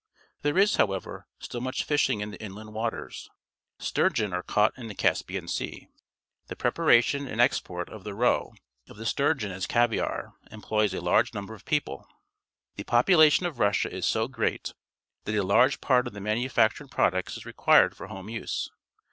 There is, however, still much fisliing in the inland waters. Sturgeon are caught in the Caspian Sea. The prepar ation and export of the roe of the sturgeo n as "caviare" employs a large number of people. RUMANIA 193 The population of Russia is so great that a large part of the manufactured products is required for home use.